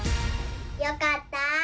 よかった！